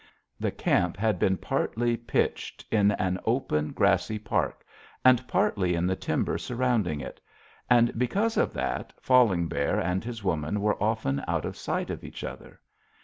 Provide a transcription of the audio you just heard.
"The camp had been pitched partly in an open, grassy park, and partly in the timber surrounding it; and because of that Falling Bear and his woman were often out of sight of each other.